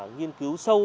nghiên cứu sâu